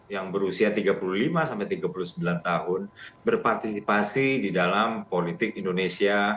yang berusia tiga puluh lima sampai tiga puluh sembilan tahun berpartisipasi di dalam politik indonesia